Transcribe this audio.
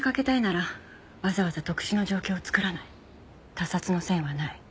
他殺の線はない。